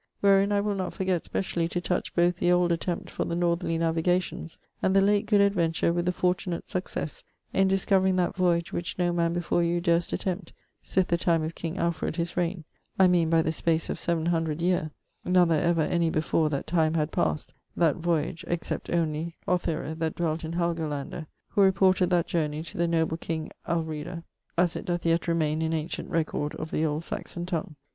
Wherein I will not forget specialy to touche bothe the old attempte for the northerly navigations and the late good adventure with the fortunate successe in discovering that voyage which no man before you durst attempt sith the time of king Alfred his reigne, I meane by the space of 700 yere, nother ever any before that time had passed that voiage except onely Ohthere that dwelt in Halgolande who reported that jorney to the noble king Alurede, as it doeth yet remain in auncient recorde of the old Saxon tongue.